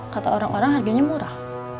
kata orang orang harganya murah